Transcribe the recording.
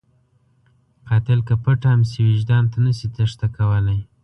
قاتل که پټ هم شي، وجدان ته نشي تېښته کولی